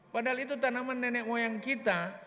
padahal itu tanaman nenek moyang kita